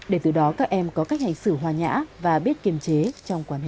để từ đó các em có cách hành xử hòa nhã và biết kiềm chế trong quan hệ xã hội